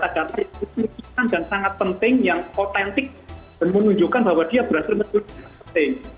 tapi di dalam kasus ini belum melihat data data yang sangat penting yang otentik dan menunjukkan bahwa dia berhasil mencuri data penting